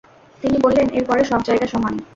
তিনি বললেন, এর পরে সব জায়গা সমান।